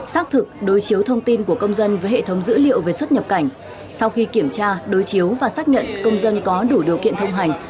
xác thực đối chiếu thông hành